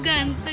ya ada pingsan